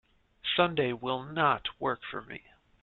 Sunday will not work for me.